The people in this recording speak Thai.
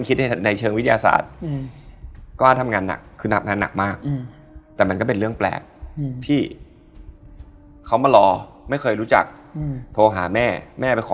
เรื่องมันเริ่มจากคือ